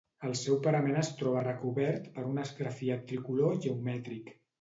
El seu parament es troba recobert per un esgrafiat tricolor geomètric.